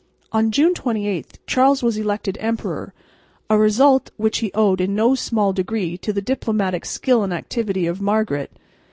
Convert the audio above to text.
On June 28 Charles was elected emperor, a result which he owed in no small degree to the diplomatic skill and activity of Margaret.